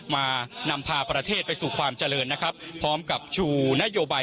มานำพาประเทศไปสู่ความเจริญนะครับพร้อมกับชูนโยบาย